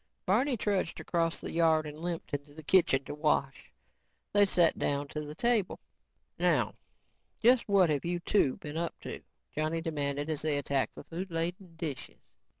Barney trudged across the yard and limped into the kitchen to wash. They sat down to the table. "Now just what have you two been up to," Johnny demanded as they attacked the food laden dishes.